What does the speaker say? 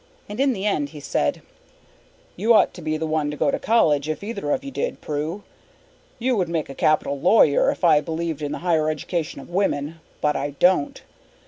And in the end he said, "You ought to be the one to go to college if either of you did, Prue. You would make a capital lawyer, if I believed in the higher education of women, but I don't.